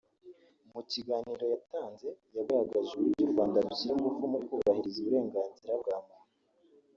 mu kiganiro yatanze; yagaragaje uburyo u Rwanda rushyira ingufu mu kubahiriza uburenganzira bwa muntu